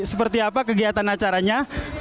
seperti apa kegiatan acaranya